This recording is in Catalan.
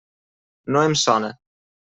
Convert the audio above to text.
No em sona.